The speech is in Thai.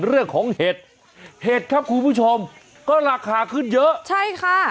เห็ดเห็ดครับคุณผู้ชมก็ราคาขึ้นเยอะใช่ค่ะ